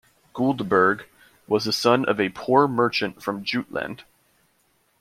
Guldberg was the son of a poor merchant from Jutland.